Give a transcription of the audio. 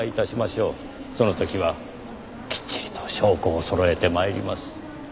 その時はきっちりと証拠を揃えて参ります。